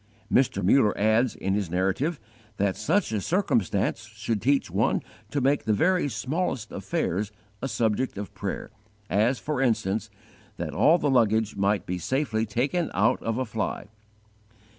Mr. Muller adds in his Narrative that "such a circumstance should teach one to make the very smallest affairs a subject of prayer, as, for instance, that all the luggage might be safely taken out of a fly."